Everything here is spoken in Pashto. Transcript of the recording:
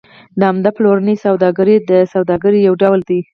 د عمده پلورنې سوداګري د سوداګرۍ یو ډول دی